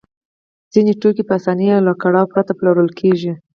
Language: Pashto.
ځینې توکي په اسانۍ او له کړاوه پرته پلورل کېږي